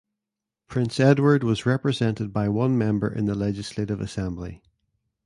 Prince Edward was represented by one member in the Legislative Assembly.